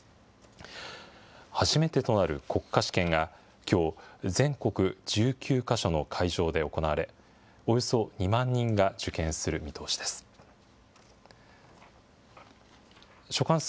初めてとなる国家試験がきょう全国１９か所の会場で行われ、およそ２万人が受験する見通しです。